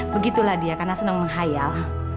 begitulah dia karena senang menghayal